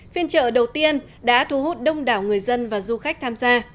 phiên trợ đầu tiên đã thu hút đông đảo người dân và du khách tham gia